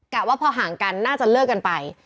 ว่าพอห่างกันน่าจะเลิกกันไป